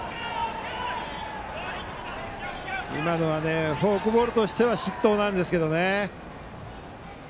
今のフォークボールとしては失投なんですけどね。